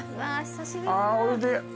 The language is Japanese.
あおいしい。